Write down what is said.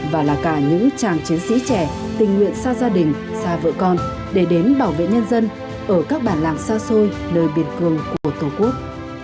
và là cả những chàng chiến sĩ trẻ tình nguyện xa gia đình xa vợ con để đến bảo vệ nhân dân ở các bản làng xa xôi nơi biên cường của tổ quốc